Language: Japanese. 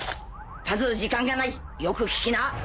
パズー時間がないよく聞きな。